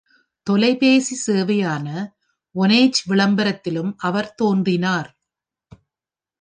தொலைபேசி சேவையான வோனேஜ் விளம்பரத்திலும் அவர் தோன்றினார்.